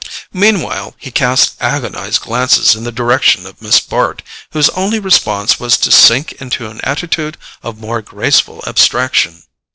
Meanwhile he cast agonized glances in the direction of Miss Bart, whose only response was to sink into an attitude of more graceful abstraction.